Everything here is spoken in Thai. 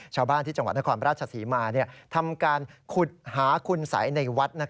ชาวบ้านที่จังหวัดนครราชศรีมาทำการขุดหาคุณสัยในวัด